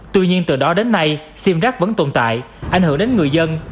tuy nhiên từ đó đến nay sim rác vẫn tồn tại ảnh hưởng đến người dân